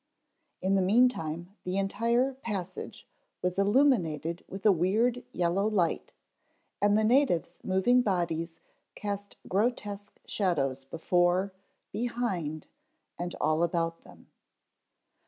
In the meantime the entire passage was illuminated with a weird yellow light and the natives' moving bodies cast grotesque shadows before, behind and all about them.